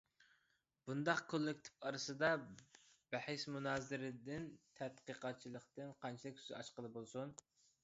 بۇنداق كوللىكتىپ ئارىسىدا بەھس مۇنازىرىدىن، تەتقىقاتچىلىقتىن قانچىلىك سۆز ئاچقىلى بولسۇن؟!